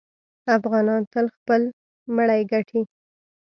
افغانان تل خپل مړی ګټي.